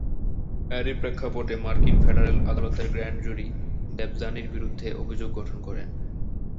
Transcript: এরই প্রেক্ষাপটে মার্কিন ফেডারেল আদালতের গ্র্যান্ড জুরি দেবযানির বিরুদ্ধে অভিযোগ গঠন করেন।